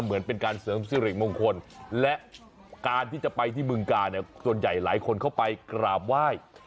เหมือนเป็นการเสริมสิริมงคลและการที่จะไปที่บึงกาเนี่ยส่วนใหญ่หลายคนเข้าไปกราบไหว้